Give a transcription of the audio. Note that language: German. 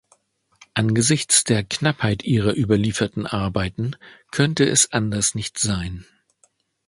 Angesichts der Knappheit ihrer überlieferten Arbeiten könnte es anders nicht sein.